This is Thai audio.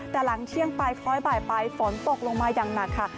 แต่หลังเที่ยงไปคล้อยบ่ายไปฝนตกลงมาอย่างหนักค่ะ